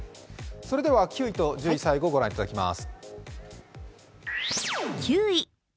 それでは９位と１０位、ご覧いただきます。